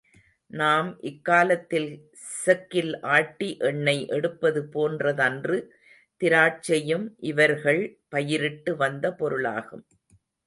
நாம் இக்காலத்தில் செக்கில் ஆட்டி எண்ணெய் எடுப்பது போன்றதன்று திராட்சையும் இவர்கள் பயிரிட்டு வந்த பொருளாகும்.